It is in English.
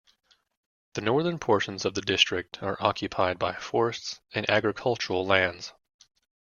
The northern portions of the district are occupied by forests and agricultural lands.